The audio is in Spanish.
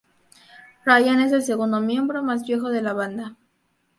Ryan es el segundo miembro más viejo de la banda.